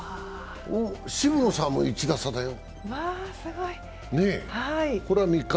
渋野さんも１打差だよ。